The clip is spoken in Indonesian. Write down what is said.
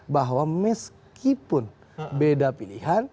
bahwa meskipun beda pilihan